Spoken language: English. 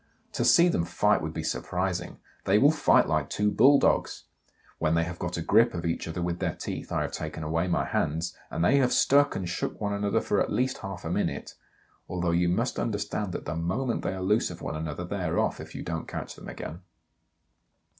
To see them fight would be surprising. They will fight like two bulldogs. When they have got a grip of each other with their teeth I have taken away my hands, and they have stuck and shook one another for at least half a minute, although you must understand that the moment they are loose of one another they are off if you don't catch them again.